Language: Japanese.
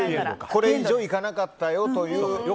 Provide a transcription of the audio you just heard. これ以上いかなかったよという。